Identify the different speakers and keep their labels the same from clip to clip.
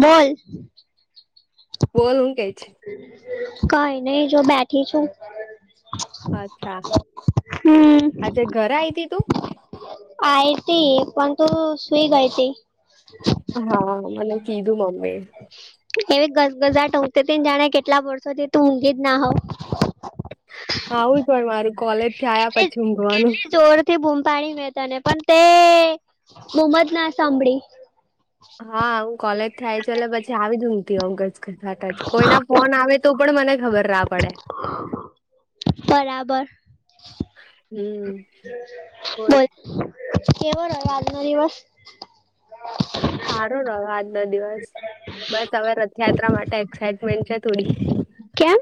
Speaker 1: બોલ
Speaker 2: બોલ હુ કેય?
Speaker 1: કઈ નહી જો બેઠી છું
Speaker 2: અચ્છા આજે ઘરે આય થી તું
Speaker 1: આતી પણ તું સુઈ ગઈ તી
Speaker 2: હા મને કીધું મમ્મી
Speaker 1: એવી ગગઝાટ ઉધતી ન જાણે કેટલા વર્ષોથી તું ઊંઘી જ ના હોવ
Speaker 2: આવું જ મારું કોલેજથી આયા પછી ઊંઘવાનું
Speaker 1: તે બુમ પાણી મે તને પણ તે બુમ જ ના સાંભળી
Speaker 2: હા હું કોલેજથી આાયી એટલે પ આવી [unintelligible] જ કોઈ ના ફોન આવે તો પણ મને ખબર ના પડે
Speaker 1: બરાબર.
Speaker 2: હમ્મ.
Speaker 1: બોલ. કેવો રહ્યો આજનો દિવસ?
Speaker 2: સારો રહ્યો આજનો દિવસ બસ હવે રથયાત્રા માટે એક્સાઇટમેન્ટ છે, થોડી
Speaker 1: કેમ?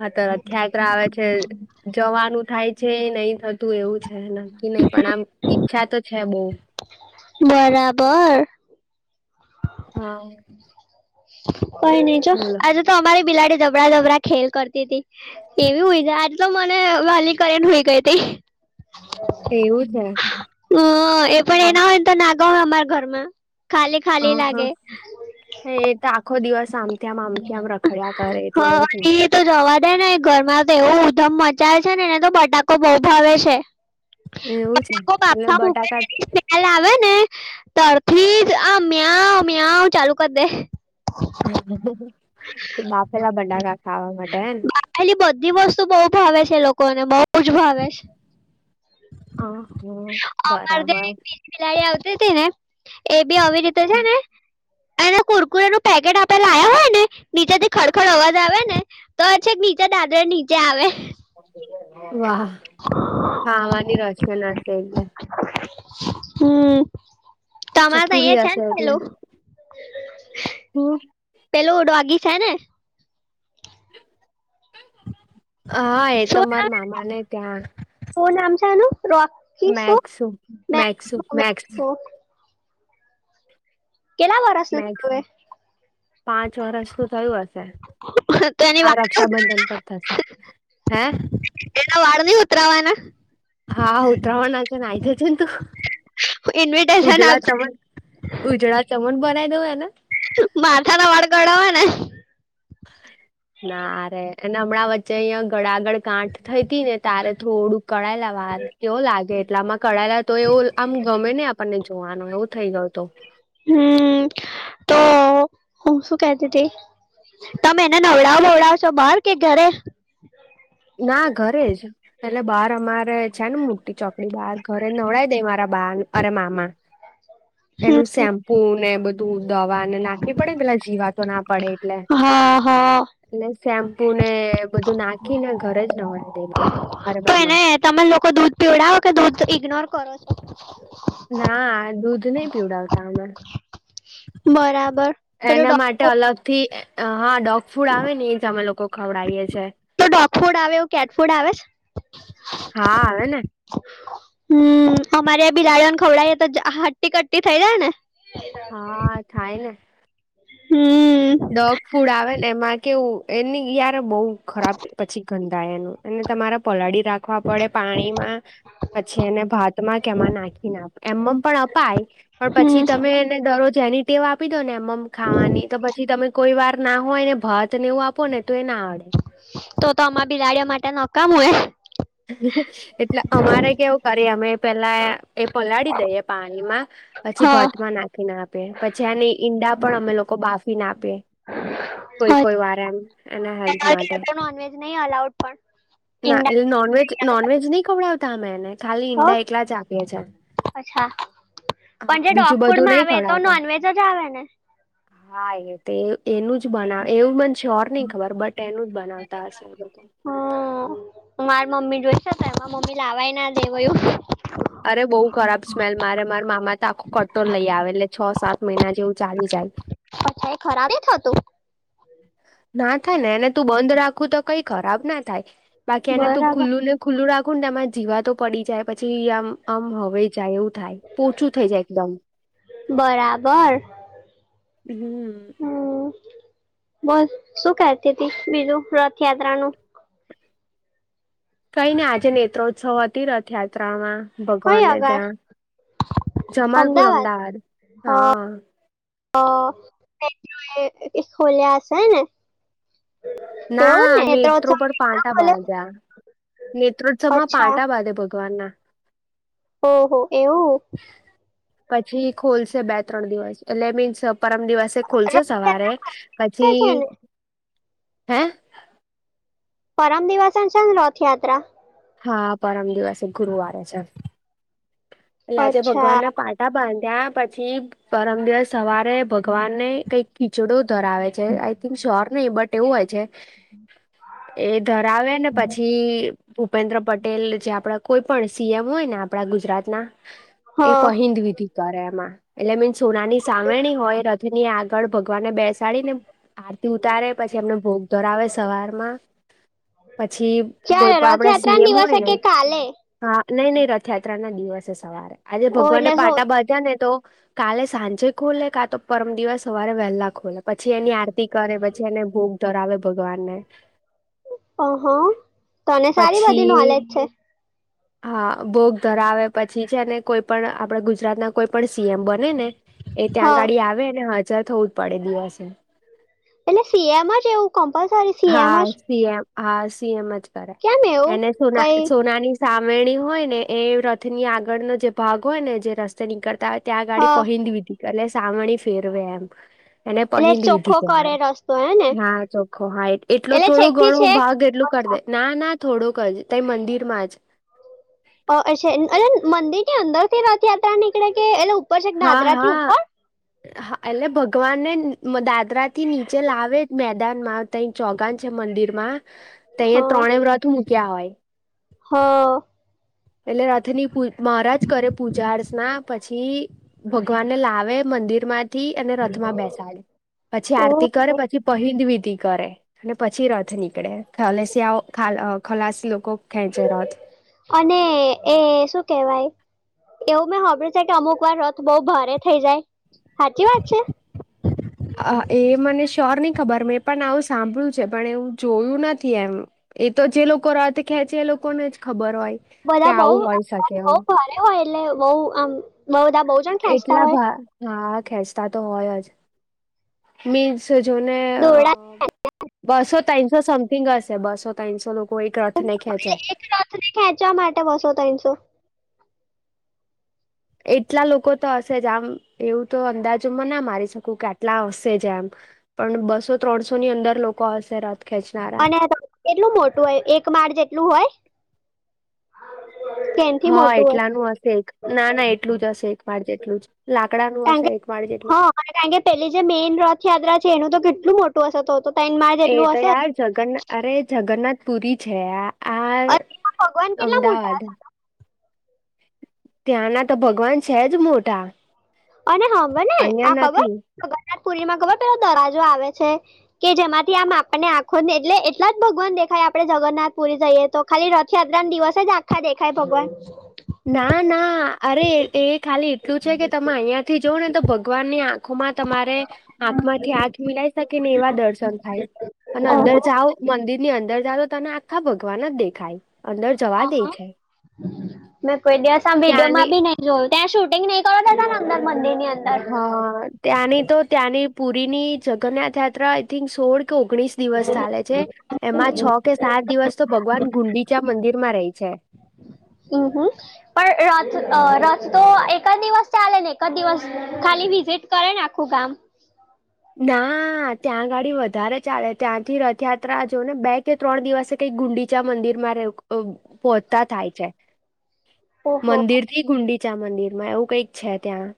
Speaker 2: હા તો રથયાત્રા આવે છે. જવાનું થાય છે, નહી થતું એવું છે, નક્કી નય પણ આમ ઈચ્છા તો છે, બો
Speaker 1: બરાબર.
Speaker 2: હા.
Speaker 1: કઈ નઈ જો
Speaker 2: બોલો.
Speaker 1: આજે તો અમારી બિલાડી જબડા જબડા ખેલ કરતી તી એવી હુય આજે તો મને વાલી કરે ન હુય ગઈ તી
Speaker 2: એવું છે.
Speaker 1: હ એ પણ
Speaker 2: હા
Speaker 1: એના હોય તો નાગવે અમાર ઘરમાં ખાલી
Speaker 2: હ
Speaker 1: ખાલી
Speaker 2: હ
Speaker 1: લાગે
Speaker 2: એ તો આખો દિવસ આમથી આમ આમથી આમ રખડયા કરે એટલે એવું જ
Speaker 1: હ
Speaker 2: ને
Speaker 1: એ તો જવા દે ને ઘરમાં તો એવું ઉધમ મચાય છે ને ને તો બટાકો બો ભાવે છે.
Speaker 2: ને એવું છે
Speaker 1: બટાકો
Speaker 2: એટલે
Speaker 1: બાપફા
Speaker 2: બટાકા
Speaker 1: [unintelligible] કાલે આવે ને ત્યારથી જ આ મ્યાંવ મ્યાંવ ચાલુ કરી દે
Speaker 2: બાફેલા બડાકા ખાવા માટે ન
Speaker 1: એેલી બધી વસ્તુ બો ભાવે છે, એ લોકોને બો જ ભાવે છે.
Speaker 2: હ હ
Speaker 1: અમારે ત્યાં એક
Speaker 2: બરાબર
Speaker 1: બીજી બિલાડી આવતી હતી ને એ બી આવી રીતે છે ને એ ને કુરકુરે નું પેકેટ આપે લ્યા હોય ને નીચે થી ખડખડ અવાજ આવે ને તો છેક નીચે દાદરા નીચે આવે.
Speaker 2: વાહ ખાવાની રોશન હશે એટલે.
Speaker 1: હમ્મ તમારે તો
Speaker 2: ચટુરી
Speaker 1: અહીંયા છે
Speaker 2: હશે
Speaker 1: ને પેલું
Speaker 2: હમ્મ.
Speaker 1: પેલું ડોગી છે ને.
Speaker 2: હા એ તો
Speaker 1: શું
Speaker 2: માર
Speaker 1: નામ
Speaker 2: મામાને ત્યાં.
Speaker 1: શું નામ છે એનું રોકી શું
Speaker 2: મેક્સુ
Speaker 1: મેક્સ નું મેક્સ નું કેટલા વરસનો
Speaker 2: મેક્સ
Speaker 1: તું હવે.
Speaker 2: પાંચ વર્ષું થયું હશે
Speaker 1: હવે તો એની
Speaker 2: આ
Speaker 1: વાળ
Speaker 2: રક્ષાબંધન પર થશે. હે
Speaker 1: એના વાળ નહિ ઉતરાવવાના.
Speaker 2: હા ઉતરાવણ છે ને આઈ જજે ને તું.
Speaker 1: ઇન્વિટેશન
Speaker 2: ઉજળા
Speaker 1: આપશે
Speaker 2: ચમણ ઉજળા ચમણ બનાવી દઉ એના.
Speaker 1: માથાના વાળ કળાવવાના
Speaker 2: ના રે એના હમણાં વચ્ચે અહિયાં ગળા આગળ ગાંઠ થતી ને તારે થોડું કળાયેલા વાર કેવ લાગે એટલે માં કળાયેલા તો એવું આમ ગમે ને આપણને જોવાનું એવું થઈ ગયું તો.
Speaker 1: હમ્મ. હું શું કેતી તી તમે એને નવડાવ અવડાવ છો બહાર કે ઘરે
Speaker 2: ના ઘરે જ એટલે બહાર અમારે છે ને મોટી ચોકડી બાર ઘરે નવડાવી દે મારા બાર અરે મામા [inaudible] એનું શેમ્પુ ને બધું દવા ને નાખવી પડે પેલા જીવાતો ના પડે એટલે.
Speaker 1: આ હા.
Speaker 2: એટલે શેમ્પુ ને બધું નાખીને ઘરે જ નવડાવી દેવા [unintelligible]
Speaker 1: ને તમે લોકો દૂધ પીવડાવો કે દૂધ ઇગ્નોર કરો છો
Speaker 2: ના દૂધ નઈ પીવડાવતા અમે.
Speaker 1: બરાબર પેલું
Speaker 2: એના
Speaker 1: ડોગ
Speaker 2: માટે
Speaker 1: ફૂડ
Speaker 2: અલગ થી એ આ હા ડોગ ફૂડ આવે ને એ જ અમે લોકો ખવડાવીએ છીએ.
Speaker 1: તો ડોગ ફૂડ આવે એવું કેટ ફૂડ આવે છે.
Speaker 2: હા આવે ને.
Speaker 1: હામ અમારે બિલાડીઓને ખવડાવીએ તો હટી કટ્ટી થઇ જાય ને. [unintelligible]
Speaker 2: હા થાય ને
Speaker 1: હમ્મ.
Speaker 2: ડોગ ફૂડ આવે ને એમાં કેવું એની યાર બઉ ખરાબ પછી ગંધાય એનું અને તમારે પલાળી રાખવા પડે પાણીમાં પછી એને ભાતમાં કેમાં નાખી ને અપ એમમ પણ અપાય પણ
Speaker 1: હમ
Speaker 2: પછી તમે ને દરરોજ એની ટેવા આપી દો ને એમમ ખાવાની તો પા કોઈ વાર ના હોય ને ભાત ને એવું આપો ને તો એ ના અડે.
Speaker 1: તો તો અમા બિલાડીઓ માટે નકામું હોય.
Speaker 2: હે હે એટલે અમારે કેવું કરી અમે પેલા એ પલાડી દઈએ પાણીમાં પછી
Speaker 1: હા
Speaker 2: ભાત માં નાખી ને આપીએ પછી આને ઈંડા પણ અમે લોકો બાફી ના આપીએ. કોઈ કોઈ વાર એમ એના હેલ્થ માટે.
Speaker 1: હું પણ
Speaker 2: ના
Speaker 1: ઈંડા.
Speaker 2: એટલે નોનવેજ
Speaker 1: નહીં આવતા.
Speaker 2: નોનવેજ નહી ખવડાવતા અમે એને ખાલી
Speaker 1: હો
Speaker 2: ઈંડા એકલા જ આપીએ છીએ.
Speaker 1: અચ્છા
Speaker 2: હા
Speaker 1: પણ જે ડોગ
Speaker 2: બીજું બધું
Speaker 1: ફૂડમાં
Speaker 2: નઈ
Speaker 1: આવે એ તો
Speaker 2: ખડાવતા
Speaker 1: નોનવેજ જ આવે ને
Speaker 2: હા એ તે એનું જ બનાવે એવું મને શ્યોર ની ખબર બટ એનું જ બનાવતા હશે [unintelligible]
Speaker 1: હમ્મ મારી મમ્મી જોઈ શે તો એમાં મમ્મી લાવાય ના દેવાયું એવુ.
Speaker 2: અરે બઉુ ખરાબ સ્મેલ મારે માર મામા તો આખો કટ્ટો લઈ આવે એટલે છ સાત મહિના જેવું ચાલી જાય.
Speaker 1: અચ્છા એ ખરાબે થતું?
Speaker 2: ના થાય ને એને તું બંધ રાખું તો કઈ ખરાબ ના થાય બાકી એને તું
Speaker 1: બરાબર
Speaker 2: ખુલ્લું ને ખુલ્લું રાખું ને એમાં જીવા તો પડી જાય પછી આમ આમ હવાઈ જાય એવું થાય પોચું થઈ જાય એકદમ.
Speaker 1: બરાબર.
Speaker 2: હમ.
Speaker 1: હમ, બોલ શું કહેતી હતી બીજું રથયાત્રા નું?
Speaker 2: કઈ ને આજે નેત્રોત્સવ હતી રથયાત્રામાં.
Speaker 1: કઈ
Speaker 2: ભગવાનને,
Speaker 1: આગળ
Speaker 2: ત્યાં જમાલપુર અમદાવાદ હા.
Speaker 1: અશલિયાશે હને [unintelligible]
Speaker 2: ના નેત્રો પર
Speaker 1: ત્રણ
Speaker 2: પાંટા
Speaker 1: ખોલે
Speaker 2: બાંધ્યા. નેત્રોત્સવ માં
Speaker 1: અચ્છા
Speaker 2: પાટા બાંધે ભગવાન ના.
Speaker 1: ઓહો એવું.
Speaker 2: પછી ખોલશે બે ત્રણ દિવસ એટલે મીન્સ પરમ દિવસે ખુલશે
Speaker 1: રથયાત્રા
Speaker 2: સવારે, પછી
Speaker 1: છે ને
Speaker 2: હે?
Speaker 1: પરમ દિવસ છે ને રથયાત્રા?
Speaker 2: હા પરમ દિવસ એ ગુરુવારે છે. એટલે આજે
Speaker 1: અચ્છા
Speaker 2: ભગવાનને પાટા બાંધ્યા પછી પરમ દિવસ સવારે ભગવાનને કંઈક ખીચડો ધરાવે છે આઈ થિંક શ્યોર નહીિ બટ એવું હોય છે, એ ધરાવે ને પછી ભૂપેન્દ્ર પટેલ જે આપડા કોઈ પણ સીએમ હોય ને આપડા ગુજરાતના.
Speaker 1: હ
Speaker 2: એ
Speaker 1: ક્યારે
Speaker 2: પહિંદ વિધિ કરે એમાં એટલે મીન સોનાની સાવરણી હોય રથની આગ ળ ભગવાનને બેસાડી ને આરતી ઉતારે પછી એમને ભોગ ધરાવે સવારમાં. પછી કોઈ પણ આપડા
Speaker 1: રથયાત્રા
Speaker 2: સી
Speaker 1: ના
Speaker 2: એમ
Speaker 1: દિવસે
Speaker 2: હોયને.
Speaker 1: કે કાલે
Speaker 2: હા નઈ નઈ રથયાત્રા ના દિવસે સવારે આજે
Speaker 1: ઓ
Speaker 2: ભગવાનને
Speaker 1: એટલે સો
Speaker 2: પાટાબાજ ને તો, કાલે સાંજે ખોલે કા તો પરમ દિવસ સવારે વહેલા ખોલે પછી એની આર કરે પછી એને ભોગ ધરાવે ભગવાનને.
Speaker 1: ઓહો તને સારી બધી
Speaker 2: પછી
Speaker 1: નોલેજ છે.
Speaker 2: હા ભોગ ધરાવે પછી તે છેને કોઈ પણ આપડા ગુજરાત ના કોઈ પણ સી એમ બને ને એ ત્યાં
Speaker 1: હા
Speaker 2: ગાડી આવે ને હાજર થવું જ પડે દિવસે.
Speaker 1: એટલે સી એમ અજ એવું કમ્પલસરી સી એમ
Speaker 2: હા
Speaker 1: અજ?
Speaker 2: સીએમ હા, સી એમ અજ કરે
Speaker 1: એવું
Speaker 2: એને સોના
Speaker 1: કઈ
Speaker 2: સોનાની સાવરણી હોય ને એ રથની આગળનો જે ભાગ હોય ને જે રસ્તે નીકળતા હોય ત્યાં ગાડી
Speaker 1: હા
Speaker 2: પહંદવી હતી એલે સાવેણી ફેરવે એમ. એને
Speaker 1: એટલે
Speaker 2: પહેન્દ વિધી
Speaker 1: ચોખ્ખો કરે
Speaker 2: કેવાય.
Speaker 1: રસ્તો હે ને
Speaker 2: હા ચો ખો હાઈટ એટલો
Speaker 1: એટલે
Speaker 2: થોડો
Speaker 1: છેક થી
Speaker 2: ઘણો
Speaker 1: છેક
Speaker 2: ભાગ એટલું કરી દે ના ના થોડુંક જ તએ મંદિરમાં જ.
Speaker 1: અહ અચ્છા એલે મંદિર ની અંદર થી રથયાત્રા નીકળે કે એલું
Speaker 2: હા હા હા એટલે ભગવાનને દાદરા થી નીચે લાવે જ મેદાનમાં તઈ ચોગાન છે મંદિર માં તહીંયે
Speaker 1: હા
Speaker 2: ત્રણે વ્રત ટુમુકિયા હોય.
Speaker 1: હા.
Speaker 2: એટલે રથની પુ મહારાજ કરે પૂજા અર્ચના પછી ભગવાનને લાવે મંદિર માં થી અને રથમાં બેસાડે પછી આરતી કરે
Speaker 1: ઓહો
Speaker 2: પછી પહંદ વિધ કરે અને પછી રથ થી નીકળે ખલેસીયા ઓ ખાલા અહ ખલાસી લોકો ખેંચે રત.
Speaker 1: અને એ શું કેવાય? એવું મેં હામબીડીર્યું છે કે અમુક વાર રથ બઉુ ભારે થઇ જાય, હાચી વાત છે?
Speaker 2: અહ એ મને શ્યોર નહી ખબર મેં પણ આવું સાંભળ્યું છે પણ એવું જોયું નથી એમ. એ તો જે લોકો રાતે ખેંચે એ લોકોને જ ખબર હોય. કે
Speaker 1: બધા બઉ
Speaker 2: આવું હોય શકે
Speaker 1: બઉ ભારે હોય એટલે બઉ આમ બહુ બધા બહુ જણ ખેંચતા
Speaker 2: એટલા
Speaker 1: હોય
Speaker 2: ભા હા ખેંચતા તો હોય જ. મીન્સ જો ને અ
Speaker 1: દોરડા
Speaker 2: બસો તનસો સમથિંગ હશે બસો તનસો લોકો એક રથ ને ખેંચે.
Speaker 1: એટલે એક રથને ખેંચવા માટે બસો તનસો?
Speaker 2: એટલા લોકો તો હશે જ આમ એવું તો અંદાજો માં ના મારી શકું કે આટલા આવશે જ એમ. પણ બસો ત્રણસો ની અંદર લોકો આવશે રથ ખેંચ
Speaker 1: અને કેટલું મોટું હોય એક માળ જેટલું હોય? કે એનથી
Speaker 2: હહ
Speaker 1: મોટું હોય
Speaker 2: એટલાનું હશે એક ના ના એટલું જ હશે એક માળ જેટલું જ. લાકડાનું
Speaker 1: કારણ
Speaker 2: હશે એકમાળ જેટલું.
Speaker 1: હા કારણ કે પેલી જે મેઈન રથયાત્રા છે એનું તો કેટલું મોટું હશે તો તો તઈન માળ
Speaker 2: એ
Speaker 1: જેટલું
Speaker 2: તો
Speaker 1: હશે.
Speaker 2: યાર જગન્ના અરે જગન્નાથ પુરી છે આ આ
Speaker 1: અને એમાં ભગવાન કેટલા મોટા
Speaker 2: અમદાવાદ.
Speaker 1: હશે
Speaker 2: ત્યાંના તો ભગવાન છે જ મોટા.
Speaker 1: અને હાભળને આ
Speaker 2: અહિયાં
Speaker 1: ખબર
Speaker 2: નથી
Speaker 1: જગન્નાથ પુરી માં ખબર પેલો દરજો આવે છે. કે જેમાંથી આમ આપણને આખો જ ને એટલે એટલા જ ભગવાન દેખાય આપણે જગન્નાથ પુરી જઈએ તો? ખાલી રથયાત્રાના દિવસે જ આખા દેખાય ભગવાન?
Speaker 2: ના ના અરે એ ખાલી એટલું છે કે તમે અહિયાથી જોઓ ને તો ભગવાનની આ આંખોમાં તમારે આંખમાંથી આંખ મિલાવી શકીને એવા દર્શન થાય. અને અંદર જાઓ મંદિરની અંદર જાઓ તો તને આખા ભગવાન જ દેખાય. અંદર જવા દે
Speaker 1: ઓહો,
Speaker 2: છે.
Speaker 1: મેં કોઈ દિવસ આમ
Speaker 2: ત્યાંની
Speaker 1: વિડીયોમાં બી નહીં જો ત્યાં શૂટિંગ નહીં કરવા દેતા ને અંદર મંદિરની અંદર?
Speaker 2: હા ત્યાંની તો ત્યાંની પુરીની જગન્નાથ યાત્રા આઈથીંક સોળ કે ઓગણીસ દિવસ ચાલે છે એમાં છ કે સાત દિવસ તો ભગવાન ગુંડીચા મંદિરમાં રહી છે.
Speaker 1: અમ હહ પણ રથ અ રથ તો એક જ દિવસ ચાલે ને એક જ દિવસ ખાલી વિઝિટ કરે ને આખું ગામ?
Speaker 2: ના ત્યાં ઘડી વધારે ચાલે ત્યાંથી રથયાત્રા જો ને બે કે ત્રણ દિવસે કઈ ગુંડીચા મંદિરમાં રેવું અ પોચતા થાય છે.
Speaker 1: ઓહો
Speaker 2: મંદિરથી ગુંડીચા મંદિરમાં એવું કંઈક છે ત્યાં.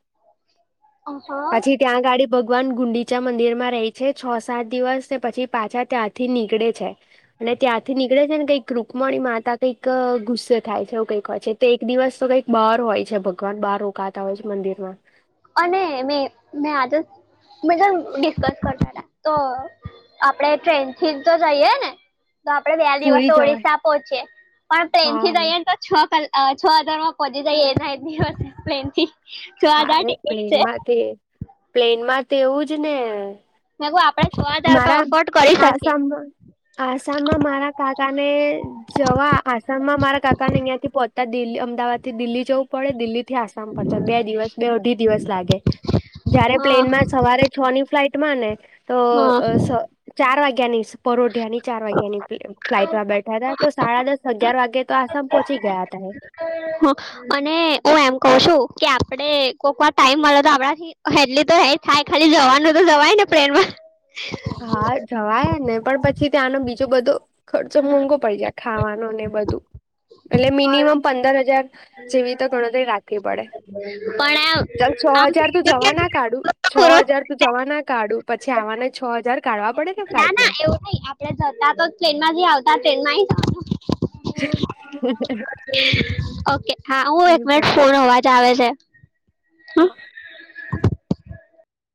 Speaker 1: અહ
Speaker 2: પછી ત્યાં ગાડી ભગવાન ગુંડી ચા મંદિરમાં રહી છે છ સાત દિવસ ને પછી પાછા ત્યાંથી નીકળે છે. અને ત્યાંથી નીકળે છે ને કંઈક રુકમણી માતા કંઈક ગુસ્સે થાય છે એવું કઈક હોય છે. તો એક દિવસ તો કઈક બર હોય છે. ભગવાન બહાર રોકાતા હોય છે મંદિરમાં.
Speaker 1: અને મેં મેં આજ જ મેં જબ ડિસ્કસ કરતા તા તો આપડે ટ્રેનથી જ તો જઈએ ને? તો આપડે બે દિવસ
Speaker 2: પૂરી જવાય
Speaker 1: ઓડીસા પહોંચીએ. પણ પ્લેનથી
Speaker 2: હા
Speaker 1: જઈએ ને તો છ કલ અ છ હજારમાં પહોચી જઇએ ને એક દિવસ પ્લેનથી છ હજાર ટિક
Speaker 2: પ્લેનમાંથી પ્લેનમાં તે એવું જ ને.
Speaker 1: મેંકુ આપડે છ હજાર તો
Speaker 2: મારા
Speaker 1: અફવર્ડ કરી શકીએ.
Speaker 2: આસામમાં આસામમાં મારા કાકાને જવા આસામમાં મારા કાકાને અહિયાંથી પોચ ત દિલ અમદાવાદથી દિલ્હી જવું પડે, દિલ્હીથી આસામ પચે બે દિવસ બે અઢી દિવસ લાગે. જયારે
Speaker 1: હા
Speaker 2: પ્લેનમાં સવારે છ ની ફ્લાઇટમાં ને તો
Speaker 1: હા હા
Speaker 2: અ સ ચાર વાગ્યાની પરોઢિયાની ચાર વાગ્યાની ફ્લાઇટમાં બેઠાતા તો સાડા દસ. અગિયાર વાગે તો આસામ પહોંચી ગયાતા એ.
Speaker 1: હહ અને હું એમ કઉં સુ કે આપડે કોકવાર ટાઈમ મલે તો આપણાથી એટલી તો હે થાય ખાલી જવાનું તો જવાય ને પ્રેનમાં.
Speaker 2: હા જવાય ને પણ પછી ત્યાં આનો બીજો બધો ખર્ચો મોંઘો પડી જાય. ખાવાનું ને એ બધું. એટલે મિનિમમ પંદર હજાર જેવી તો ગણતરી રાખવી પડે.
Speaker 1: પણ
Speaker 2: ચલ છ
Speaker 1: આમ
Speaker 2: હજાર તો જવાના કાઢું,
Speaker 1: આમ પૂરો
Speaker 2: છ હજાર તો જવાના કાઢું પછે આવાને છ હજાર કાઢવા પડે કે ફ્લાઇટના?
Speaker 1: આપણે જતા તો ટ્રેનમાંથી આવતા ટ્રેનમાંહી આ હહ ઓકે હા હું એક
Speaker 2: એ
Speaker 1: મિનિટ ફોન [unintelligible] ચાવે છે. હ
Speaker 2: હા.